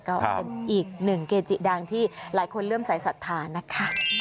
ก็เป็นอีกหนึ่งเกจิดังที่หลายคนเริ่มสายศรัทธานะคะ